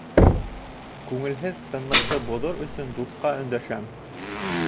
Күңелһеҙ тынлыҡты боҙор өсөн дуҫҡа өндәшәм: